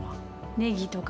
ネギとか。